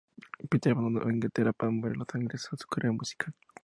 Peter abandonó Inglaterra para mover a los Ángeles a su carrera musical.